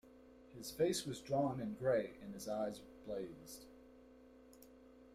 His face was drawn and grey and his eyes blazed.